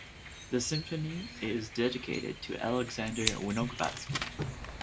The symphony is dedicated to Alexander Winogradsky.